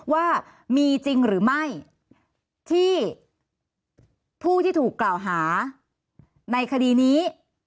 ว่ามีจริงหรือไม่ที่ผู้ที่ถูกกล่าวหาในคดีนี้